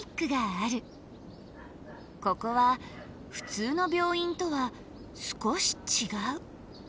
ここはふつうの病院とは少し違う。